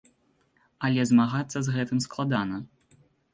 Але змагацца з гэтым складана.